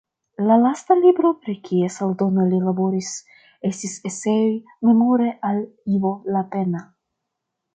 La lasta libro pri kies eldono li laboris estis "Eseoj Memore al Ivo Lapenna".